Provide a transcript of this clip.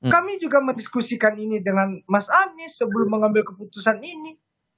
kami juga mendiskusikan ini dengan mas anies sebelum mengambil keputusan ini